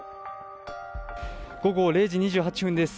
午後０時２８分です。